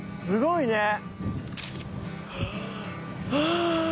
すごいね。